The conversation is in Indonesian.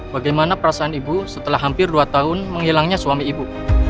bagaimana perasaan ibu setelah hampir dua tahun menghilangnya suami ibu